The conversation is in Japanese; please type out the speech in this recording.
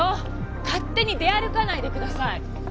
勝手に出歩かないでください！